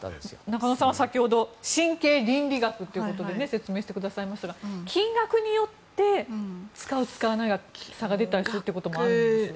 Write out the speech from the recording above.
中野さんは先ほど神経倫理学ということで説明してくださいましたが金額によって使う、使わないの差が出たりもするんですか。